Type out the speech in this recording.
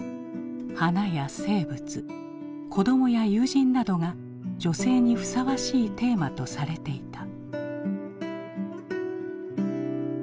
花や静物子供や友人などが女性にふさわしいテーマとされていた。